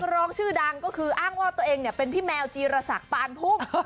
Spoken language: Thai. ร้องชื่อดังก็คืออ้างว่าตัวเองเป็นพี่แมวจีรศักดิ์ปานพุ่ม